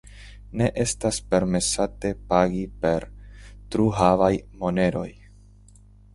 Ne estas permesate pagi per truhavaj moneroj.